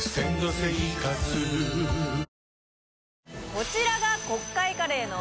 こちらが。